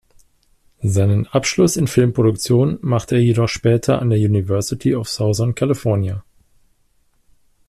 Seinen Abschluss in Filmproduktion machte er jedoch später an der University of Southern California.